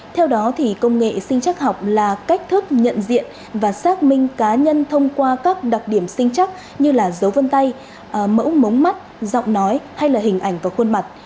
theo đó thì công nghệ sinh chắc học là cách thức nhận diện và xác minh cá nhân thông qua các đặc điểm sinh chắc như là dấu vân tay mẫu mống mắt giọng nói hay là hình ảnh và khuôn mặt